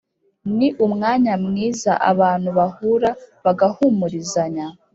Ni umwanya mwiza abantu bahura bagahumurizanya